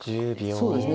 そうですね。